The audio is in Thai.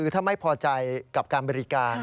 ถ้าไม่พอใจกับการบริการ